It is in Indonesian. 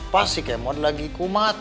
pasti kemot lagi kumat